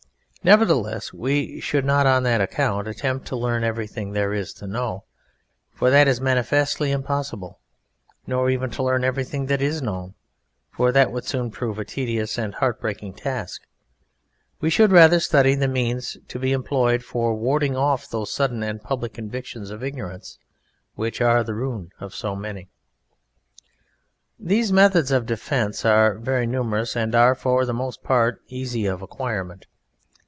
Nevertheless we should not on that account attempt to learn everything there is to know (for that is manifestly impossible), nor even to learn everything that is known, for that would soon prove a tedious and heart breaking task; we should rather study the means to be employed for warding off those sudden and public convictions of Ignorance which are the ruin of so many. These methods of defence are very numerous and are for the most part easy of acquirement.